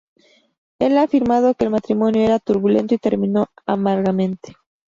Él ha afirmado que el matrimonio era turbulento y terminó amargamente.